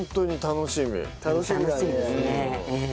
楽しみですねええ。